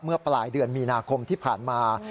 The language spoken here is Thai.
เมื่อปลายเดือนมีนาคมที่ผ่านมา